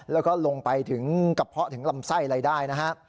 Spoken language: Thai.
แล้วก็ลงไปถึงกระเพาะถึงลำไส้อะไรได้นะฮะ